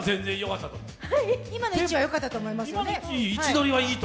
今の位置はよかったと思いますよ。